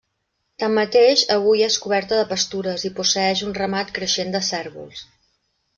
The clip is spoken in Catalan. Tanmateix, avui és coberta de pastures i posseeix un ramat creixent de cérvols.